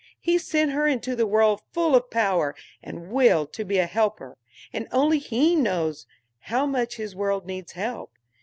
He sent her into the world full of power and will to be a helper; and only He knows how much his world needs help.